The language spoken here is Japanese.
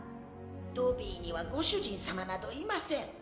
ドビーにはご主人様などいません